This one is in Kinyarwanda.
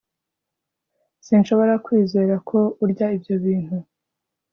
sinshobora kwizera ko urya ibyo bintu